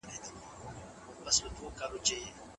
ماشوم په خپل معصوم غږ کې د ژوند هیله لرله.